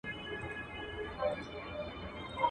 ماجت د گوزو ځاى نه دئ.